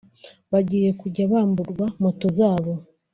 bagiye kujya bamburwa moto zabo